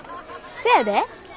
そやで。